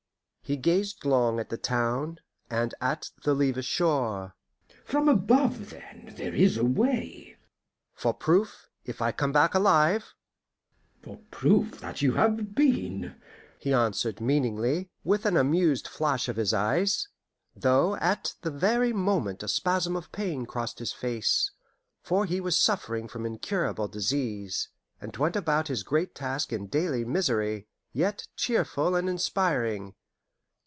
He gazed long at the town and at the Levis shore. "From above, then, there is a way?" "For proof, if I come back alive " "For proof that you have been " he answered meaningly, with an amused flash of his eyes, though at the very moment a spasm of pain crossed his face, for he was suffering from incurable disease, and went about his great task in daily misery, yet cheerful and inspiring.